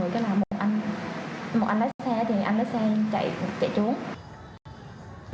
cái là một anh lái xe thì anh lái xe chạy trốn